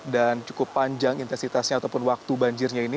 dan cukup panjang intensitasnya ataupun waktu banjirnya ini